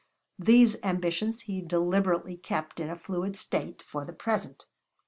These ambitions he deliberately kept in a fluid state for the present.